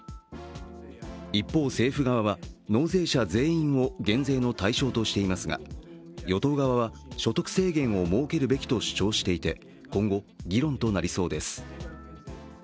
一方、政府側は納税者全員を減税の対象としていますが、与党側は、所得制限を設けるべきと主張していて今後議論となりそうです。